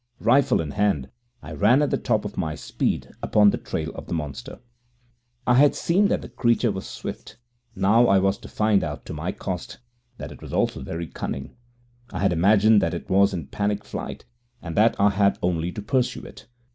Rifle in hand, I ran at the top of my speed upon the trail of the monster. I had seen that the creature was swift. Now I was to find out to my cost that it was also very cunning. I had imagined that it was in panic flight, and that I had only to pursue it.